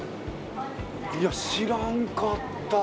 いや知らんかった。